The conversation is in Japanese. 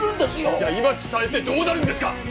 じゃあ今伝えてどうなるんですか？